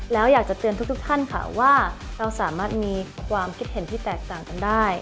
แล้วอยากจะเตือนทุกท่านค่ะว่าเราสามารถมีความคิดเห็นที่แตกต่างกันได้